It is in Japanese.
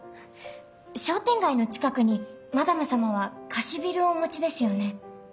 商店街の近くにマダム様は貸しビルをお持ちですよね？